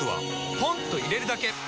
ポンと入れるだけ！